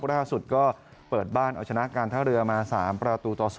ล่าสุดก็เปิดบ้านเอาชนะการท่าเรือมา๓ประตูต่อ๒